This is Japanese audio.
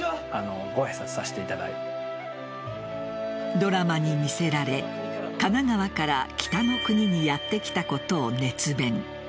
ドラマに魅せられ神奈川から北の国にやってきたことを熱弁。